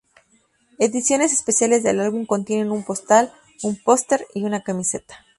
Ediciones especiales del álbum contienen una postal, un póster y una camiseta.